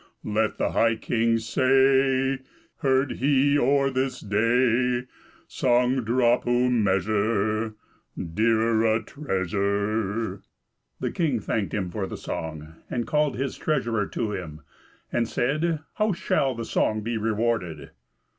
Let the high king say, Heard he or this day, Song drapu measure Dearer a treasure?" The king thanked him for the song, and called his treasurer to him, and said, "How shall the song be rewarded?"